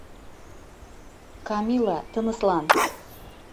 Камила, тыныслан...